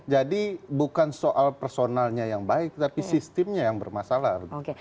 jadi bukan soal personalnya yang baik tapi sistemnya yang bermasalah oke